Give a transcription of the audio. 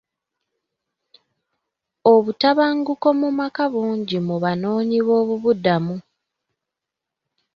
Obutabanguko mu maka bungi mu banoonyiboobubudamu.